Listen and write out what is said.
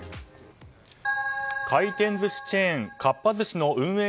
回転寿司チェーンかっぱ寿司の運営